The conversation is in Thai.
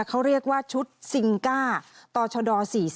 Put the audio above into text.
เขาเรียกว่าชุดซิงก้าต่อชด๔๔